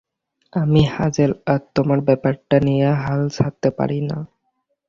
আমি হ্যাজেল আর তোমার ব্যাপারটা নিয়ে হাল ছাড়তে পারি না।